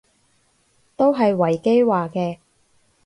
都係維基話嘅